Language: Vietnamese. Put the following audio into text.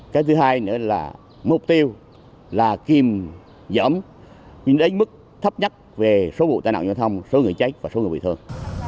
cái thứ hai nữa là mục tiêu là kiềm giỡn đến mức thấp nhất về số vụ tai nạn giao thông số người chết và số người bị thương